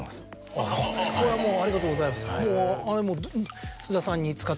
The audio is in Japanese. それはもうありがとうございます。